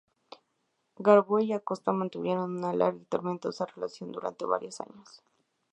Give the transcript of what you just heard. Garbo y Acosta mantuvieron una larga y tormentosa relación que duró varios años.